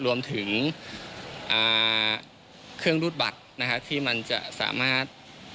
รวมถึงอ่าเครื่องรุทบัตรนะครับที่มันจะสามารถ